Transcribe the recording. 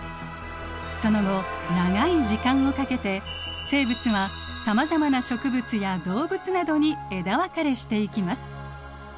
その後長い時間をかけて生物はさまざまな植物や動物などに枝分かれしていきます。